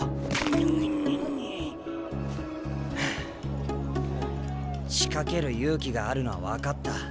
うっ。はあ仕掛ける勇気があるのは分かった。